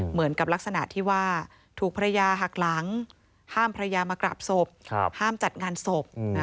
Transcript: เหมือนกับลักษณะที่ว่าถูกภรรยาหักหลังห้ามภรรยามากราบศพห้ามจัดงานศพ